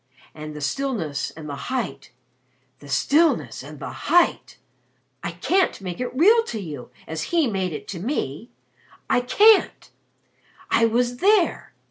And the stillness and the height the stillness and the height! I can't make it real to you as he made it to me! I can't! I was there.